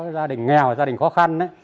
gia đình nghèo và gia đình khó khăn